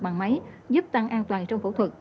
bằng máy giúp tăng an toàn trong phẫu thuật